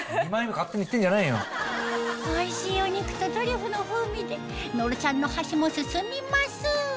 おいしいお肉とトリュフの風味で野呂ちゃんの箸も進みます！